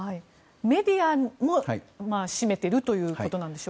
メディアも占めているということですか？